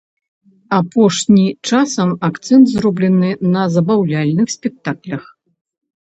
Апошні часам акцэнт зроблены на забаўляльных спектаклях.